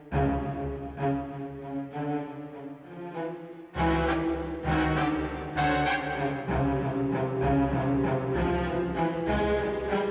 dokter dokter bagaimana dengan taufan dokter